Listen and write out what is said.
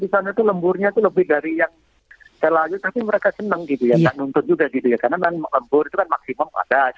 saya berpikir ada yang lain